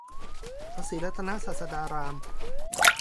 พระศรีรัตนศาสดาราม